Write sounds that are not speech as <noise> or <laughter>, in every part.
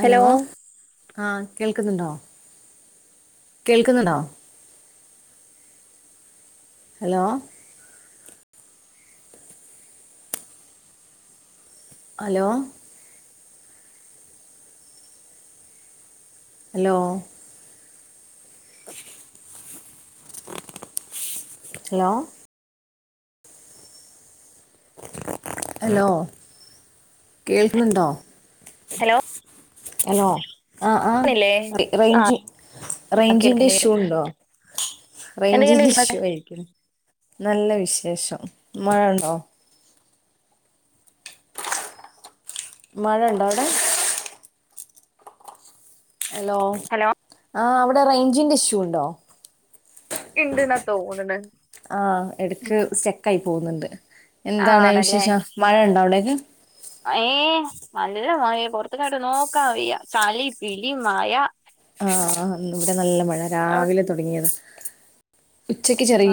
Hello ആഹ് കേൾ ൾക്ക്ന്നൊണ്ടൊ കേൾക്ക്ന്ന്ണ്ടോ hello hello hello hello hello കേൾക്ക്ന്ന്ണ്ടോ ഹലോ ഹലോ ആ ആ ണില്ലേ റേ റേയ്ഞ്ചി ആ റേഞ്ചിന്റെ കേൾക്കണ്ട് കേൾ ഇഷ്യു ഉണ്ടോ റേഞ്ചി എന്തൊക്കെയുണ്ട് വിശേഷൊക്കെ ഇഷ്യു ആയിരിക്കും നല്ല വിശേഷം മഴ ഉണ്ടോ മഴ ണ്ടോ അവ്ടെ ഹലോ ഹലോ ആ അവ്ടെ റേഞ്ചിന്റെ ഇഷ്യൂ ഉണ്ടോ ഇണ്ട്ന്നാ തോന്ന്ണ് ആ എടക്ക് സ്റ്റാക്കായി പോക്ന്ന്ണ്ട് എന്താണ് ആണല്ലേ വിശേഷം മഴ ണ്ടോ അവിടേക്ക് ഏ നല്ല മയെ പുറത്തിക്ക്അങ്ങട്ട് നോക്കാ വയ്യ ചളി പിലി മയ ആ ആ ന്ന് ഇവിടെ നല്ല മഴ രാവിലെ തൊടങ്ങിയതാ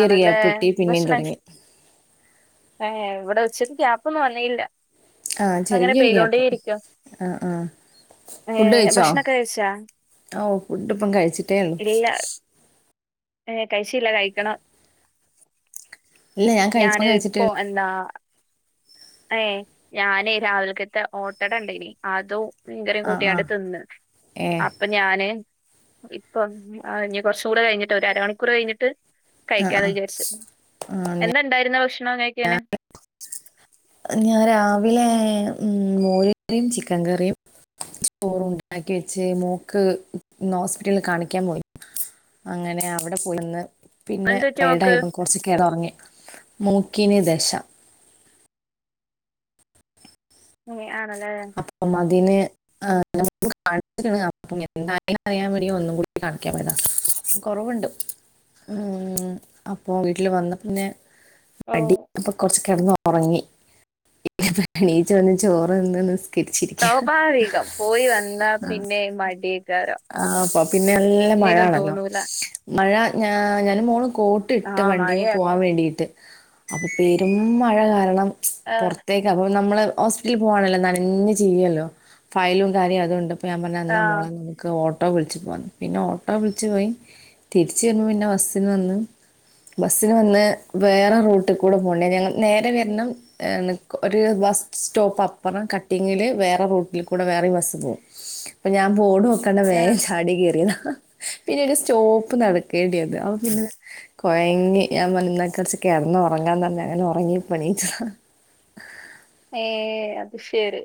ആണല്ലേ ഗ്യാപ്പ് കിട്ടി പിന്നെയും ഭഷ്ണം തുടങ്ങി ഏ ഇവിടെ ഉച്ചക്ക് ക്യാപ്പൊന്നും വന്നീല്ല ആഹ് ചെറിയ ഒര് ഗ്യാപ്പ്‌ ആഹ് ആഹ് ഏ ഫുഡ് കഴിച്ചോ ഭക്ഷണൊക്കെ കഴിച്ചാ ഫുഡ് ഇപ്പം കഴിച്ചിട്ടേ ള്ളൂ ഇല്ല ഏ കഴിച്ചില്ല കഴിക്കണം ഇല്ല ഞാൻ ഞാന് കഴിച്ചപ്പം കഴിച്ചിട്ടേ പ്പോ ഉള്ളൂ എന്താ ഏ ഞാന് രാവിലക്കത്ത ഓട്ടട ഇണ്ടേനി അതും. മീൻകറി ആഹ് കൂട്ടിങ്ങാട്ട് ആഹ് തിന്ന് ഏഹ് അപ്പൊ ഞാന്. ഇപ്പം ആ ഇനി കുറച്ചൂടെ കഴിഞ്ഞിട്ട് ഒരു അരണിക്കൂർ കഴിഞ്ഞിട്ട്. ആഹ് കഴിക്കാന്ന് ആഹ് വിചാരിച്ച് ആഹ് ഞാ എന്താണ്ടായിരുന്ന ഭക്ഷണം കഴിക്കാന്. ഞാൻ രാവിലെ ഉം മോര--റിയും ചിക്കൻ കറിയും. ചോറുണ്ടാക്കി വെച്ച് മോക്ക് ഇന്ന് ഹോസ്പിറ്റലിൽ കാണിക്കാൻ പോയി. അങ്ങനെ അവിടെ പോയിന്ന്. പിന്നെ എന്ത് പറ്റി ട്ടയേർഡ് നോക്ക് പ്പൊ കുറച്ച് കെ ഒറങ്ങി മൂക്കിന് ദശ. എ ആ അപ്പം അതിന് <inaudible> ന്തായീന്ന് അറിയാൻ വേണ്ടി ഒന്നും കൂടി കാണിക്കാൻ പോയതാ കൊറവണ്ട്. ഉം അപ്പൊ വീട്ടിൽ വന്ന പിന്നെ ഓ മടി അപ്പൊ കൊറച്ച്. കെടന്ന് ഒറങ്ങി പ്പം ണീച്ച് വന്ന് ചോറ് തിന്ന് നിസ് സ്വാഭാവികം പോയി വന്നാ പിന്നെ മടി. കയറും ആ അപ്പ പിന്നെ അല്ല മഴ ഒന്നിനും ആണല്ലോ തോന്നൂല മഴ ഞ ഞാനും മോളും. കോട്ട് ആ ഇട്ട് വണ്ടീം മഴയാ പോവാൻ വേണ്ടീട്ട് അപ്പൊ പെരും മഴ കാരണം. ആ പുറത്തേക്ക് അപ്പൊ നമ്മള്. ഹോസ്പിറ്റലിൽ പോവാണലേ നനഞ്ഞ് ചീയലോ ഫയലും കാര്യം അതൂണ്ട് ഇപ്പ ഞാ പറഞ്ഞ് ആ ന്നാ മോളങ്ങ്. ഓട്ടോ വിളിച്ച് പോവാന്ന് പിന്നെ ഓട്ടോ വിളിച്ചു പോയി തിരിച്ചു വരുബൊ പിന്നെ ബസ്സിൽ വന്ന്. ബസ്സിന് വന്ന് വേറെ റൂട്ടുകൂടെ പോണ്ട്യ ഞങ്ങ നേരെ വരണം ന്ന് ഒരു വ ബസ് സ്റ്റോപ്പ് അപ്പുറം കട്ടിങ്ങില് വേറെ റൂട്ടിൽ കൂടെ വേറെം ബസ്സ് പോവും അപ്പൊ ഞാൻ ബോഡ്‌ നോ കണ്ടവേ ആ. ചാടികേറി. പിന്നെ ഒരു സ്റ്റോപ്പ് നടക്കേണ്ട്യന്ന് അപ്പ പിന്നെ കൊഴങ്ങി ഞാൻ പറഞ് ന്നാ കൊറച്ച് കെടന്ന് ഒറ ങ്ങ അങ്ങനെ ഒറങ്ങി പ്പം എണീച്ചതാ. ഏ അത് ശരി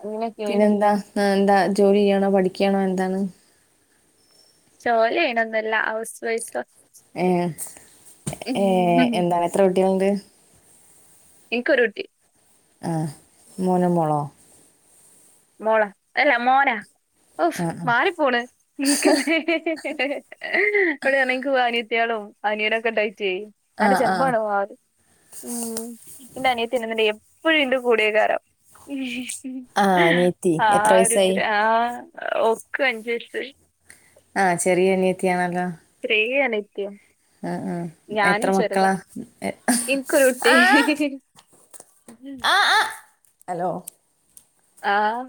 അങ്ങനെയക്കെയെയാണ്. പിന്നെന്താ ആ എന്താ ജോലി ചെയ്യണോ പഠിക്കയാണോ എന്താണ്. ജോലിയണൊന്നല്ല ഔഹ്സ് വൈ. ഏ ഏർ എന്താണ് എത്ര കുട്ട്യകളണ്ട്. ഇക്ക് രുട്ടി. ആഹ മോന മോളോ. മോള അല്ല മോന. ഒഫ് ആ മാറി പോണ് ഇനിക്കനെ <unintelligible> കുട്ട്യേളും അനിയനൊക്കെ ഇണ്ടായിട്ടേ ആ അന്റെ ആ ആ ചിലപ്പങ്ങാട്ട് മാറും ഉം. ഇന്റെ അനിയത്തിണ്ടെന്നിണ്ടേൽ എപ്പഴും എന്റെ കൂടെകാരം. ആഹ് അനിയത്തി ആ എത്ര ഒരുത്തി വയസ്സായി? ആഹ ഓക്ക് അഞ്ജയസായി. ആഹ് ചെറിയനീത്തിയാണല്ലോ റീ അനൈത്യം. ആഹ് ഞാന് എത്ര ചെറുതാ മക്കളാ? എനിക്കൊരു കുട്ടി. ആഹ് ഉം. ആഹ് ആഹ് ഹലോ. ആഹ്.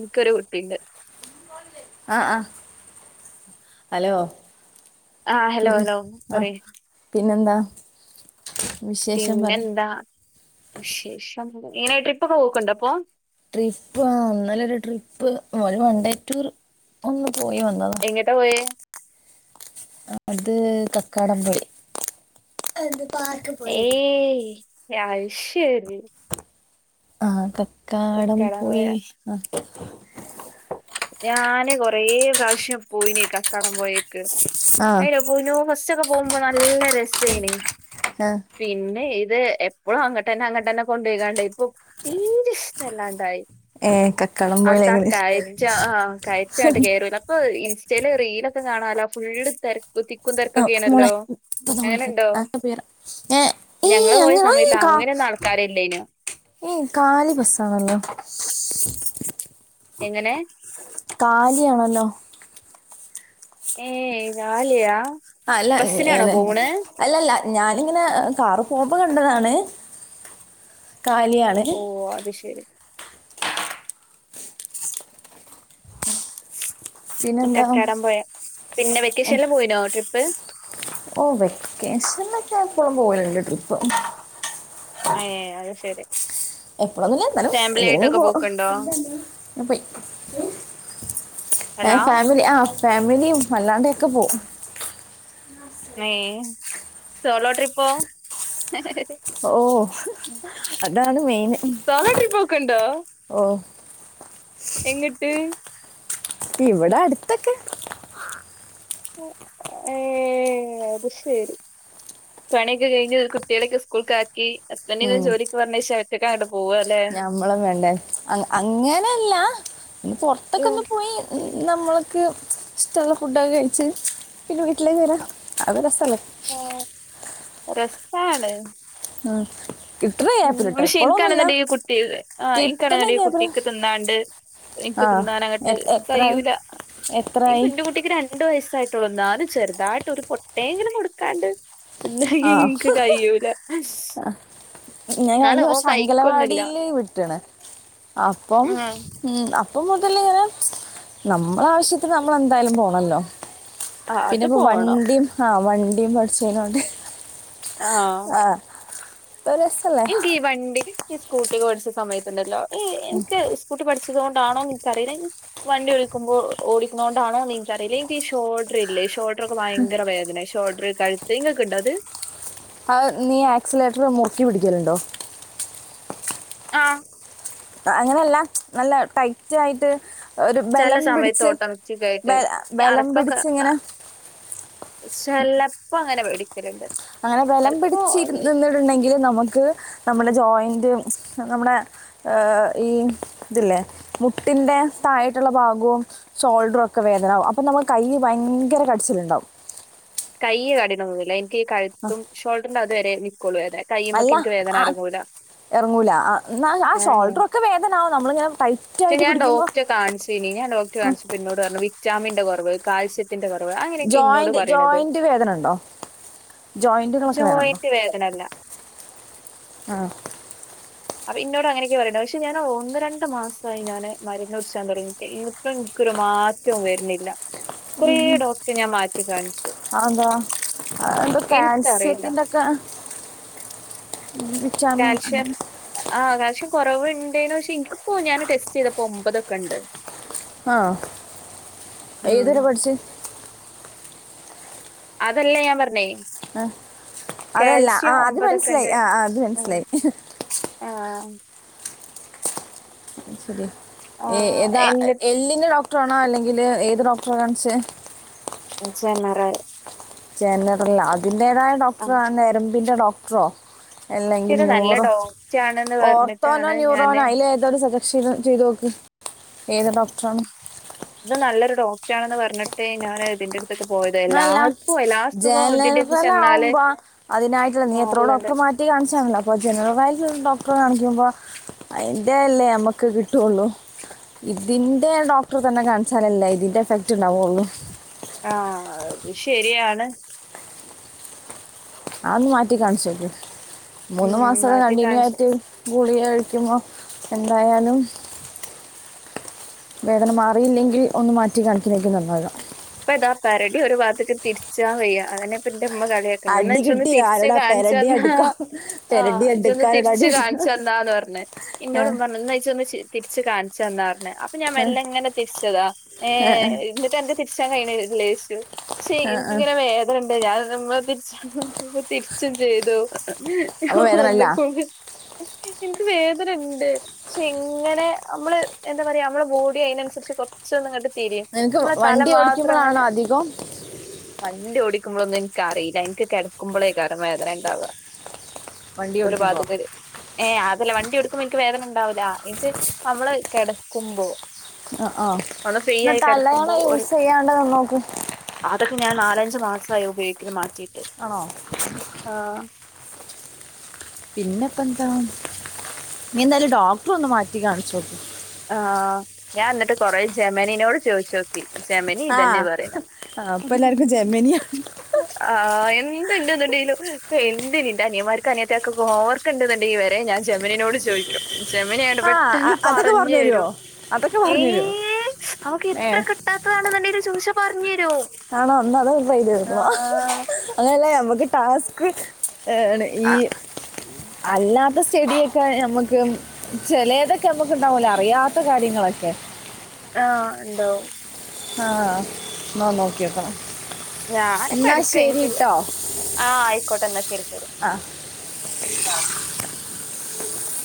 ക്ക് ഒരുട്ടീണ്ട്. ആഹ ആഹ അലോ. ആഹ ഹലോ ഹലോ പറി. പിന്നെന്താ. വിശേഷം പറ പിന്നെന്താ വിശേഷം ഇങ്ങനെ ട്രിപ്പ ഒക്കെ പോക്ക്ണ്ടോ അപ്പോ. ട്രിപ്പ് ആ ന്നല ഒരു ട്രിപ്പ് ഒരു വൺ ഡേ ടൂർ ഒ എങ്ങിട്ടാ പോയേ. അത് കക്കാടംപൊഴി. ഏയ് അത്ശരി. ആ കക്കാടം പോയി ആ. ഞാന് കൊറെ പ്രാശ്യം പോയിന് കക്കാടം പോയെൽ അയിനെ പോനോ ബസക്കെ പോകുമ്പോ നല്ല രസായിന്. ആഹ് പിന്നെ ഇത് എപ്പഴും അങ്ങോട്ടന്നെ അങ്ങോട്ടന്നെ കൊണ്ടോയ്കാണ്ട് പ്പ തീരെഷ്ടല്ലാണ്ടായി ഏഹ് കക്കാടം അവടെത്താ പോയിലെങ്ങനെ കായൽ. റ്റാ ആ കയറ്റായിട്ട് കേറുന്ന് അപ്പ ഇൻസ്റ്റയില് റീലൊക്കെ കാണാലോ ഫുള്ള് തെരക്ക് തി ആ മോളെ ക്കുംതെരക്കൊക്കെയാണല്ലോ. ഇപ്പൊ നമ്മളെടുത്തത് ആക്ക പേര ഏ ഈ ഞങ്ങള് പോയ അങ്ങനെ സമയത്ത് അങ്ങനെയൊന്നും ആൾക്കാരില്ലേനു ഏയ് കാലി ബസാണല്ലോ. എങ്ങനെ കാലിയണല്ലോ? ഏ കാലിയാ ആ അല്ല ബസ്സിനാണോ ങ്ങനെ പോണേ അല്ലല്ല. ഞാനിങ്ങനെ കാറി പോമ്പ കണ്ടതാണ് കാലിയാണ്. ഓ അത് ശരി പിന്നെന്താ കച്ചാടം പൊയ പിന്നെ ഏ, വെക്കേഷനിൽ പോയിനോ ട്രിപ്പ്? ഓ വെക്കേഷനൊക്കെ എപ്പളും പോലണ്ട് ട്രിപ്പ്. ഏ അത് ശരി. എപ്പളൊന്നുല്ല എന്നാലും ഫാമിലി എങ്ങനെലും ആയിട്ടൊക്കെ പോം പോക്കുണ്ടോ പോയി ഏ ഹലോ ഫാമിലി ആ ഫാമിലിയും അല്ലാണ്ടൊക്കെ പോം. ഏ സോളോ ട്രിപ്പോ? ഓ അതാണ് മെയിന് സോളോ ട്രിപ്പ് ഒക്കെ ഓ. എങ്ങട്ട്? ഇവിടെ അടുത്തൊക്കെ ഏ അത്‌ശെരി പണിക്കൊകഴിഞ്ഞ് കുട്ട്യേളെക്കെ സ്കൂൾക്കാക്കി ഹസ്ബൻഡിനെ ഉം ജോലിക്ക് പറഞ്ഞയ്ശ്യാ ഒറ്റക്കങ്ങട്ട് പോവല്ലെ ഞമ്മളും വേണ്ടേ അ അങ്ങനെല്ല ഉം. പൊറത്തൊക്കൊന്ന് പോയി നമ്മൾക്ക് ഇഷ്ടള്ള ഫുഡൊക്കെ കഴിച്ച് പിന്നെ വീട്ടിലേക്ക് വരാം അത് രസല്ലേ ആ രെസാണ് ആ ഉം പക്ഷെ ഇൻക്കാണ്ന്ന്ണ്ടെങ്കി ഈ കുട്ടില്ലേ ആ കിട്ടണ ഇൻകാണ്ന്ന്ണ്ടെങ്കി ഗ്യാപ്പിൽ കുട്ടിക്ക് തിന്നാണ്ട് എൻക്ക് ആ തിന്നാനങ്ങട്ട് എ- എത്രയായി കയ്യൂല എനിക്ക് എത്രയായി എന്റെ കുട്ടിക്ക് രണ്ടു വയസ്സായി ട്ടൊള്ളൂ ന്നാലുംചെറുതായിട്ട് ഒരു പൊട്ടെങ്കിലും കൊടുക്കാണ്ട് ആ തിന്നാനെനിക്ക് കൈയ്യൂല ഞാൻ കഴിഞ്ഞ വർഷം അങ്കലവാടില് വിട്ട്ണ്. അപ്പം ഉം. ഉം അപ് പ്പം മുതല് ങ്ങനെ നമ്മളാവശ്യത്തിന് നമ്മളെന്തായലും പോണല്ലോ ആ, അത് പിന്നെപ്പോ പോണം വണ്ടിം ആ വണ്ടിയും പഠിച്ചതാേണ്ട് ആ രസല്ലേ എൻക്കീ വണ്ടി ഈ സ്കൂട്ടിക്കൊ പഠിച്ച സമയത്തുണ്ടല്ലോ എ എൻക്ക് സ്കൂട്ടി പഠി ച്ചതോണ്ടാണോ എൻക്കറിയില്ല എൻ വണ്ടി ഓടിക്കുമ്പോ ഓടിക്ക്ണോണ്ടാനിക്കറിയില്ല എനിക്ക് ഷോൾഡറില്ലേ ഷോൾ ഡ്രക്കെ ഭയങ്കര വേദന ഷോൾഡർ കഴുത്ത് ഇങ്ങക്ക്ണ്ടോ അത്? ആ നീ ആക്സിലേറ്റർ മുറുക്കിപിടിക്കലുണ്ടോ? ആ അങ്ങനെല്ല നല്ല ടൈറ്റ് ആയിട്ട് ഒരു ചില ബലം സമയത്ത് പിടിച്ച് ഓട്ടോമാറ്റിക് ആയിട്ട് ബല ബലം പിടിച്ചിങ്ങനെ? ചെലപ്പോങ്ങനെ പിടി അങ്ങനെ ബലം പിടിച്ചിരിനിന്നിട്ട്ണ്ടെങ്കി നമക്ക് നമ്മടെ ജോയിന്റ് നമ്മടെ അ‌് ഈ ഇതില്ലേ മുട്ടിൻ്റെ താഴെ മറ്റുള്ള ഭാഗവും ഷോൾഡറുക്കെ വേദനാകും അപ്പ നമ്മളെ കയ്യ്ഭയങ്കര കടിച്ചിലുണ്ടാവും. കയ്യ് കടീണൊന്നുല്ല എനിക്ക് ആ, കഴുത്തും ഷോൾഡറിന്റെ അവിടെ വരെ ക്കൊള്ളു കയ്യുമ്മക്ക് ഇൻക്ക് വേദന ഇറങ്ങൂല എറങ്ങൂല ആ എന്നാ ആ ആഹ്. ഷോൾഡർ ഒക്കെ വേദനാവും നമ്മളിങ്ങനെ ടൈറ്റ് പക്ഷെ ആയിട്ട് ഞാൻ പിടിക്കുമ്പോ ഡോക്ടറെ കാണിച്ചിനി ഞാൻ ഡോക്ടർ കാണിച്ചപ്പോ ഇന്നോട് പറഞ്ഞു വിറ്റാമിന്റെ കുറവ് കാൽസ്യത്തിന്റെ കുറവ് അങ്ങനെയൊക്കെയാ ഇന്നോട് പറീണത് മുട്ടിന് വേദന ഉണ്ടോ ജോയിന്റുകളൊക്കെ വേദന ഉണ്ടോ ല്ലല്ല ആഹ അപ്പൊ ഇന്നോട് അങ്ങനെയൊക്കെ പറയണെ പക്ഷെ ഞാൻ ഒന്ന് രണ്ട് മാസമായി ഞാന് മരുന്ന് കുടിച്ചാൻ തുടങ്ങിട്ട് ഇന്ക് ഒരു മാറ്റവും വരുന്നില്ല കുറേ ഡോക്ടറെ ഞാൻ മാറ്റി കാണിച്ച് അതെന്താ അ എന്തോ എനിക്കറിയില്ല കാൽസ്യത്തിന്റെക്കെ കാൽഷ്യ ആഹ കാൽഷ്യ കുറവ്ണ്ടയ്നു ‌ പക്ഷെ ഇനിക്കിപ്പോ ഞാൻ ടെസ്റ്റ് ചെയ്തപ്പോ ഒമ്പതൊക്കെ ഉണ്ട് ആഹ ഉം ഏതരെ പഠിച്ച് അതല്ല ഞാൻ പറഞ്ഞേ ആ അതല്ല ആ കാൽസ്യം അത് ഒമ്പതൊക്കെ മനസ്സിലായി ആ അത് മനസ്സിലായി ആഹ ശരി ആ, താ എന്നിട്ട് എല്ലിന്റെ ഡോക്ട ഡോക്ടറാണോ അല്ലെങ്കിൽ ഏത് ഡോക്ടറെ കാണിച്ചേ ജനറൽ ജനറൽ അതിന്റെതായ ആ, ഡോക്ടറോ നരമ്പിന്റെ ഡോക്ടറോ അല്ലെങ്കിൽ ഇത് നല്ല ന്യൂറോ ഡോക്ടറാണെന്ന് ഓർത്തോനോ പറഞ്ഞിട്ടാണ് ഞാൻ ന്യൂറോനോ അയില് ഏതോ സ- സ്ഥിരം ചെയ്തു നോക്ക് ഏത് ഡോക്ടറാണ് ഇത് നല്ലൊരു ഡോക്ടാണന്ന് പറഞ്ഞിട്ട് ഞാൻ ഇതിന്റടു- അല്ല ഇതിന്റെ അടുത്ത് ജനറൽ ചെന്നാല് ആവുമ്പോ അതിനായിട്ടുള്ള നീ എത്രോ മാറലുണ്ട് ഡോക്ടർമാരെ മാറ്റി കാണിച്ചാണല്ലോ അപ്പൊ ജനറൽ ആയിട്ടുള്ളെ ഡോ - ക്ക കാണിക്കുമ്പോ അയ്ന്റെ അല്ലേ നമ്മക്ക് കിട്ടുള്ളു ഇതിന്റെ ഡോക്ടർ തന്നെ കാണിച്ചാലല്ലേ ഇതിന്റെ എഫക്ട് ഉണ്ടാവുള്ളു ആഹ അത് ശരിയാണ് അഒന്ന് മാറ്റി കാണിച്ചോക്ക് മൂന്നു ഉം, മാസൊക്കെ മറ്റേ കണ്ടിന്യൂ കാണിച്ചു ആയിട്ട് ഗുളിക കഴിക്കുമ്പോ എന്തായാലും വേദന മാറിയില്ലെങ്കിൽ ഒന്ന് മാറ്റി കാണിക്കുന്നേക്കും നന്നാവാ ഇപ്പൊ താ പെരടി ഒരു വാത്ത്ക്ക് തിരിച്ചാൻ വയ്യ അതന്നെപ്പ- മ്മ കളിയാക്ക്ണ്ട് എന്നാ അടി ഇജൊന്ന് കിട്ടി തിരിച്ച് ആരോടാ പെരടി കാണിച്ചന്നാ ഹ് അടുക്കാം ഹി ആ പെരടി ഇജൊന്ന് അടുക്കാരോടാ അടി തിരിച്ച് എടുക്കാം കാണിച്ച- ന്നാന്ന് പറഞ് ഏ, ഇന്നോട്മ്മ പർഞ് ന്നാ ഇജൊന്ന് ചി- തിരിച്ച് കാണിച്ചന്നാർഞ് അപ്പൊ ഞാൻ ഏ, മെല്ലെങ്ങനെ തിരിച്ചതാ ഏ എന്നിട്ട് അന്റെ തിരിച്ചാൻ കഴിയിണില്ലേയ്ച്ചു. പക്ഷെ ഏ, ഏ. എനിക്കിങ്ങനെ വേദനണ്ട് ഞാൻ ന്ന മ്മ തിരിച്ചപ്പോ തിരിച്ചും ചെയ്തു. ഹിഹി ഹി അപ്പൊ വേദന അല്ല ഒന്ന്ക്കും ഓകെ ഇൻക്ക് വേദനണ്ട് ക്ഷെ ങ്ങനെ നമ്മള് എന്താ പറയാ നമ്മളെ ബോഡി അയിനനുസരിച്ച് കൊറച്ചൊന്നിങ്ങട്ട് തിരീം നിനക്ക് നമ്മളെ തല വണ്ടി മാത്രം ഓടിക്കുമ്പോഴാണോ അങ്ങനെ അധികം വണ്ടി ഓടിക്കുമ്പോളൊന്നും ഇൻക്കറിയില്ല എനിക്ക് കിടക്കുമ്പോളേകാരം വേദന ഉണ്ടാവ വണ്ടി ഒരു ഓടിക്കുമ്പോ <unintelligible> ഏ അത് അല്ല വണ്ടി ഓടിക്കുമ്പോ ഇൻക് വേദന ഉണ്ടാവൂല ഇൻക് നമ്മള് കിടക്കുമ്പോ ആ ആ ഒന്ന് ഫ്രീ എന്നാ ആയി കിടക്കുമ്പ തലയണ യൂസ് ചെയ്യാണ്ടത് നോക്ക് അതൊക്കെ ഞാൻ നാലഞ്ച് മാസായി ഉപയോഗിക്കല് മാറ്റീട്ട് ആണോ പിന്നെപ്പെന്താ നീ എന്തായാലും ഡോക്ടറെ ഒന്ന് മാറ്റി കാണിച്ചോക്ക് ആഹ ഞാൻ എന്നിട്ട് കൊറെ ജെമനിനോട് ചോയിച്ചോക്കി ജമനി ആ ഇതന്നെ പറിണെ ഹ് അപ്പൊ ഹിഹി എല്ലാവർക്കും ജെമിനിയ ആ എന്ത്ണ്ട്ന്ന്ണ്ടെങ്കിലും എന്തിന് ന്റെ അനിയന്മാർക്കും അനിയത്തിയാൾക്കൊക്കെ ഹോം വർക്ക്ണ്ട്ന്ന്ണ്ടെങ്കി വരെ ഞാൻ ജമനിനോട് ചോയ്ക്കും ജമനി ആയോണ്ട് ആ പെട്ടെന്ന് അ- പാ - അതൊക്കെ പറഞ്ഞു തരുമോ പറഞ്ഞരും അതൊക്കെ പറഞ്ഞു തരുമോ ഏയ് ഏ അവക്ക്ത്ര കിട്ടാത്തതാണണ്ടങ്കി ചോയ്ച്ചാപറഞ്ഞരും. ആണോ ന്നാ അത് ഒരു എഴിതിഎടുക്കും ആഹ് അതല്ല നമക്ക് ടാസ്ക്ക് ഏണ് ഈ ആഹ് അല്ലാ പ്പോസ്റ്റഡിയൊക്കെ നമ്മുക്ക് ചെലേതൊക്കെ നമ്മുക്ക് ഉണ്ടാവല്ലെ അറിയാത്ത കാര്യങ്ങളൊക്കെ ആ ഉണ്ടാവും ആഹ ന്ന നോക്കിയോക്കണം ഞാനിപ്പ എടക്ക് ഇനിക്ക്ണ്ട് ആ ആയിക്കോട്ടെ എന്നാ ശരി ശരി. ആ